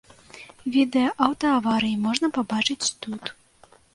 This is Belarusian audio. Відэа аўтааварыі можна пабачыць тут.